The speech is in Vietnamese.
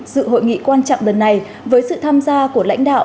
dự hội nghị quan trọng lần này với sự tham gia của lãnh đạo